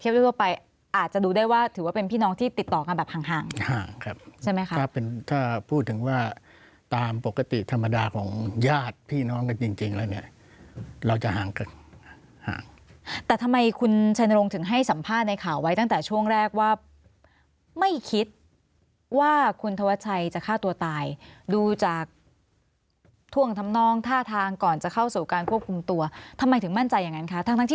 มีทางที่ติดต่อกันแบบหังใช่ไหมคะถ้าแบบพูดถึงว่าตามปกติธรรมดาของญาติพี่น้องกันจริงแล้วเนี่ยเราจะหางกันแต่ทำไมคุณชายนรงจึงให้สัมภาษณ์ในข่าวไว้ตั้งแต่ช่วงแรกว่าไม่คิดว่าคุณธวัชีจะฆ่าตัวตายดูจากทวงค์ถ้ำนองท่าทางก่อนจะเข้าสู่การควบคุมตัวทำไมถึงมั่นใจอย่างนั้น